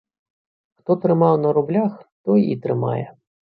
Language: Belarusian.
Хто трымаў на рублях, той і трымае.